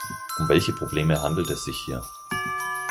Um welche Probleme handelt es sich hier?